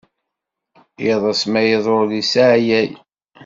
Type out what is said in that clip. Iḍes ma iḍul isseɛyaw.